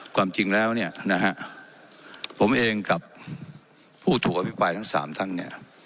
ความจริงแล้วเนี่ยนะฮะผมเองกับผู้ถูกอภิปรายทั้งสามท่านเนี่ย